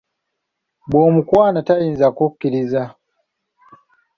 Bw'omukwana tayinza kukiriza.